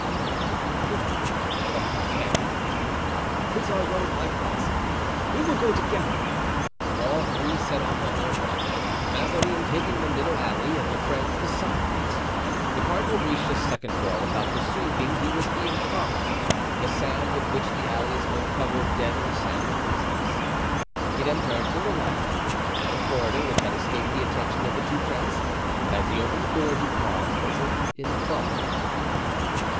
"Very good," thought D'Artagnan, "'tis our road likewise; we will go together." All three set off on their walk, Mazarin taking the middle alley and the friends the side ones. The cardinal reached a second door without perceiving he was being followed; the sand with which the alleys were covered deadened the sound of footsteps. He then turned to the left, down a corridor which had escaped the attention of the two friends, but as he opened the door he paused, as if in thought.